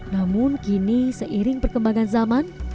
namun kini seiring perkembangan zaman